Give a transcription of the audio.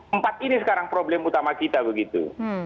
empat ini sekarang problem utama kita begitu